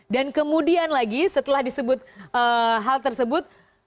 dan kemudian lagi setelah hal tersebut